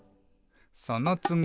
「そのつぎ」